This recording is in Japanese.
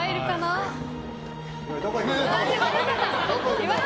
どこ行くの？